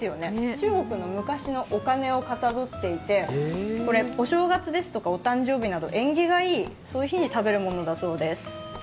中国の昔のお金をかたどっていて、お正月ですとかお誕生日など縁起がいい日に食べるものだそうです。